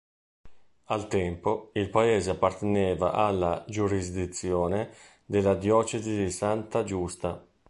Al tempo, il paese apparteneva alla giurisdizione della diocesi di Santa Giusta.